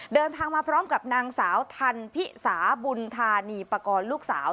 เดินทางมาพร้อมกับนางสาวทันพิสาบุญธานีปากรลูกสาว